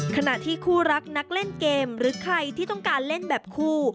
ขณะที่คู่รักนักเล่นเกมหรือใครที่ต้องการเล่นแบบคู่